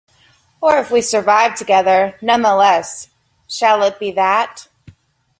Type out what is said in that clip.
Or if we survive together nonetheless - shall it be that?